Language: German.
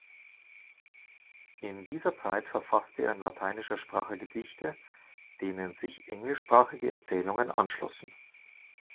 In dieser Zeit verfasste er in lateinischer Sprache Gedichte, denen sich englischsprachige Erzählungen anschlossen.